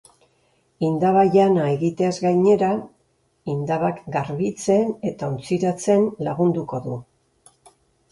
Indaba-jana egiteaz gainera, indabak garbitzen eta ontziratzen lagunduko du.